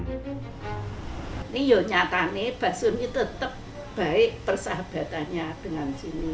tapi ya nyatanya basun itu tetap baik persahabatannya dengan sini